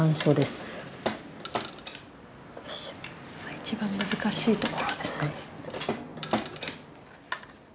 一番難しいところですかね。